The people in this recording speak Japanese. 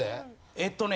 えっとね